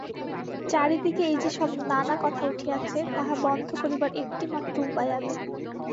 চারি দিকে এই যে-সব নানা কথা উঠিয়াছে তাহা বন্ধ করিবার একটিমাত্র উপায় আছে।